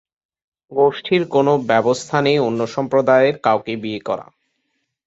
গোষ্ঠীর কোনও ব্যবস্থা নেই অন্য সম্প্রদায়ের কাউকে বিয়ে করা।